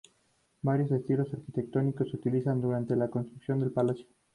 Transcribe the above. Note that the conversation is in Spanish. Varios estilos arquitectónicos se utilizaron durante la construcción del palacio.